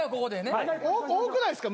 多くないですか？